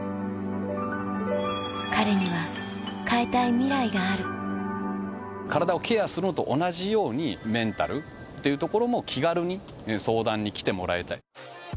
彼には変えたいミライがある体をケアするのと同じようにメンタルっていうところも気軽に相談に来てもらいたい。